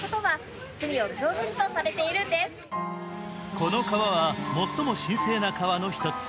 この川は最も神聖な川の一つ。